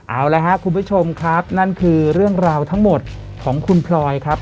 เอาละครับคุณผู้ชมครับนั่นคือเรื่องราวทั้งหมดของคุณพลอยครับ